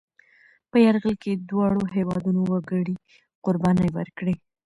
په یرغل کې دواړو هېوادنو وګړي قربانۍ ورکړې.